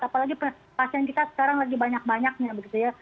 apalagi pasien kita sekarang lagi banyak banyaknya begitu ya